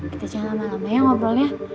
kita jangan lama lama ya ngobrolnya